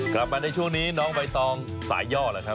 กลับมาในช่วงนี้น้องใบตองสายย่อแล้วครับ